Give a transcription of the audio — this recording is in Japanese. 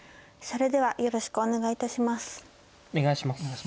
それではよろしくお願い致します。